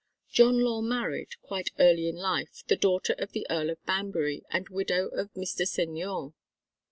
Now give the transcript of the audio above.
John Law married, quite early in life, the daughter of the Earl of Banbury and widow of Mr. Seignior.